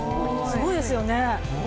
すごいですよね？